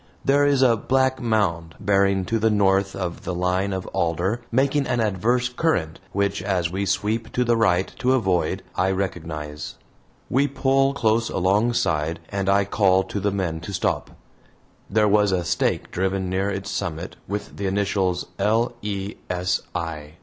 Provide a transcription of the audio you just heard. There is a black mound, bearing to the north of the line of alder, making an adverse current, which, as we sweep to the right to avoid, I recognize. We pull close alongside and I call to the men to stop. There was a stake driven near its summit with the initials, "L. E. S. I."